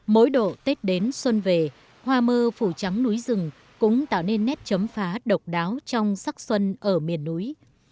mỗi độ tết đến xuân về hoa mơ phủ trắng núi rừng cũng tạo nên nét chấm phá độc đáo trong sắc xuân ở miền núi